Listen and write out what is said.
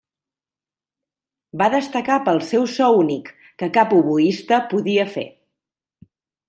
Va destacar pel seu so únic que cap oboista podia fer.